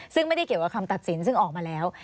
ซึ่งไม่ได้เกี่ยวกับคำตัดสินซึ่งออกมาแล้ว